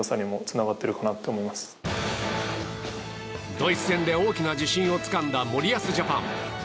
ドイツ戦で大きな自信をつかんだ森保ジャパン。